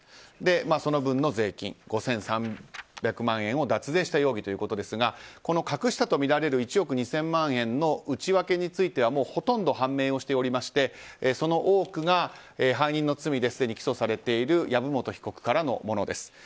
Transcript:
その分の税金５３００万円を脱税した容疑ということですが隠したとみられる１億２０００万円の内訳についてはほとんど判明しておりましてその多くが背任の罪で既に起訴されている籔本被告からのものです。